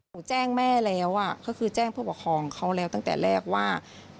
แจ้งแม่แล้วก็คือแจ้งผู้ปกครองเขาแล้วตั้งแต่แรกว่า